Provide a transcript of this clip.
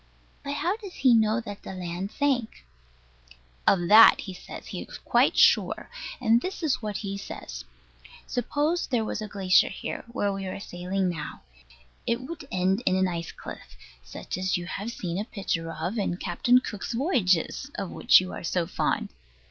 But how does he know that the land sank? Of that, he says, he is quite certain; and this is what he says. Suppose there was a glacier here, where we are sailing now: it would end in an ice cliff, such as you have seen a picture of in Captain Cook's Voyages, of which you are so fond.